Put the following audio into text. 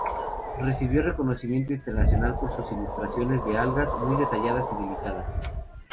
Recibió reconocimiento internacional por sus ilustraciones de algas, muy detalladas y delicadas